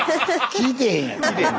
聞いてへんやん。